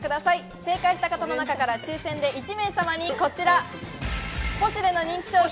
正解した方の中から抽選で１名様にこちら、ポシュレの人気商品。